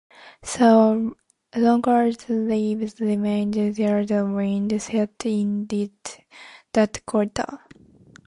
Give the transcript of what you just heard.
So long as the leaves remained there the wind sat in that quarter.